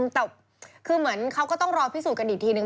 แต่คือเหมือนเขาก็ต้องรอพิสูจนกันอีกทีนึง